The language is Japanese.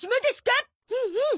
うんうん。